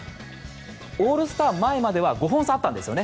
オールスター前までは５本差あったんですよね。